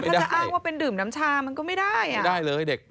ถ้าจะอ้างว่าเป็นดื่มน้ำชามันก็ไม่ได้อ่ะไม่ได้เลยเด็ก